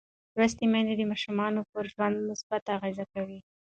لوستې میندې د ماشوم پر ژوند مثبت اغېز کوي.